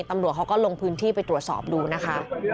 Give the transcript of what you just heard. ตำรวจเขาก็ลงพื้นที่ไปตรวจสอบดูนะคะ